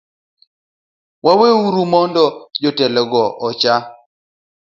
Weuru mondo jotelogo ocha